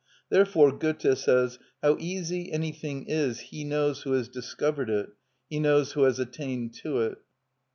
Therefore Goethe says: "How easy anything is he knows who has discovered it, he knows who has attained to it."